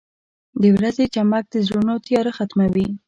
• د ورځې چمک د زړونو تیاره ختموي.